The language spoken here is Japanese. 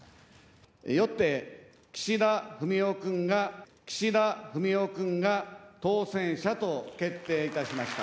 よって、岸田文雄君が、岸田文雄君が当選者と決定いたしました。